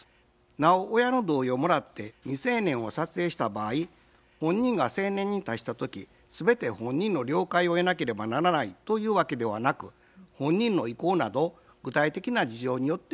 なお親の同意をもらって未成年を撮影した場合本人が成年に達した時全て本人の了解を得なければならないというわけではなく本人の意向など具体的な事情によって決まります。